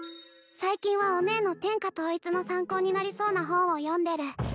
最近はお姉の天下統一の参考になりそうな本を読んでる・